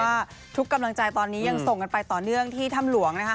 ว่าทุกกำลังใจตอนนี้ยังส่งกันไปต่อเนื่องที่ถ้ำหลวงนะคะ